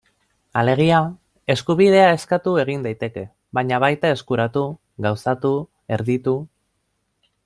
Alegia, eskubidea eskatu egin daiteke, baina baita eskuratu, gauzatu, erditu...